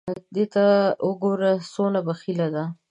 دې ته وګوره څونه بخیله ده !